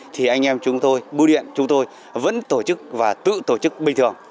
thì anh em chúng tôi bưu điện chúng tôi vẫn tổ chức và tự tổ chức bình thường